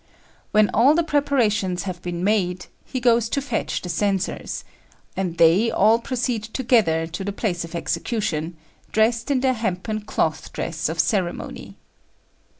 When all the preparations have been made, he goes to fetch the censors; and they all proceed together to the place of execution, dressed in their hempen cloth dress of ceremony.